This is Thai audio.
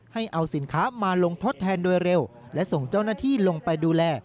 ให้เอาสินค้ามาลงทดแทนโดยเร็วและส่งเจ้าหน้าที่ลงไปดูแล